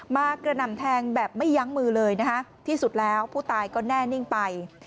กระหน่ำแทงแบบไม่ยั้งมือเลยนะคะที่สุดแล้วผู้ตายก็แน่นิ่งไป